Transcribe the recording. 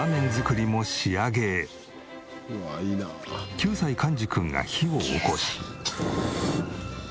９歳かんじ君が火をおこし。